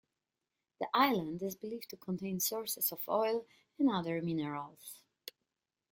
The island is believed to contain sources of oil and other minerals.